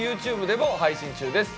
ＹｏｕＴｕｂｅでも配信中です